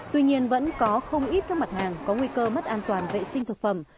tuy nhiên vẫn có không ít các mặt hàng có nguy cơ mất an toàn vệ sinh thực phẩm